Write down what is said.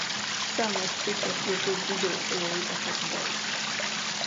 Számos cikket írt zsidó folyóiratokba is.